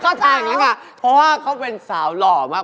ก็ทานอย่างนี้ค่ะเพราะว่าเขาเป็นสาวหล่อมาก